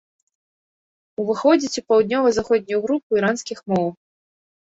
Уваходзіць у паўднёва-заходнюю групу іранскіх моў.